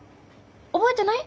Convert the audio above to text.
覚えてない？